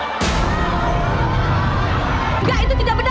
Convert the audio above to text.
tidak itu tidak benar pak